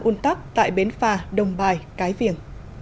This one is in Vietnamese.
un tắc tại bến phà đồng bài cái viền